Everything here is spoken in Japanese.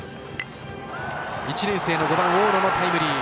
１年生の５番、大野のタイムリー。